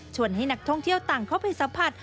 ให้นักท่องเที่ยวต่างเข้าไปสัมผัส